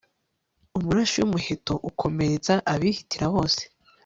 umurashi w'umuheto ukomeretsa abihitira bose